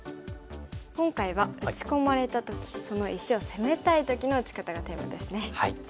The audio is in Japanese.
今回は打ち込まれた時その石を攻めたい時の打ち方がテーマですね。